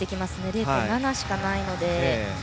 ０．７しかないので。